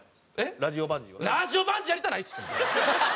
ラジオバンジーやりたないっつってんの！